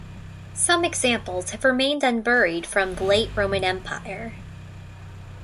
Some examples have remained unburied from the late Roman Empire.